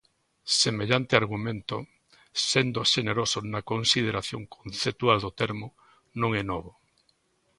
Semellante argumento, sendo xenerosos na consideración conceptual do termo, non é novo.